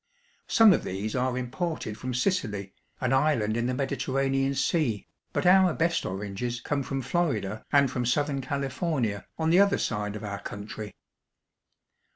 Some of these are imported from Sicily, an island in the Mediterranean Sea; but our best oranges come from Florida, and from south ern California, on the other side of our country.